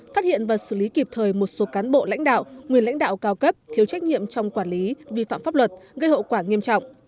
phát hiện và xử lý kịp thời một số cán bộ lãnh đạo nguyên lãnh đạo cao cấp thiếu trách nhiệm trong quản lý vi phạm pháp luật gây hậu quả nghiêm trọng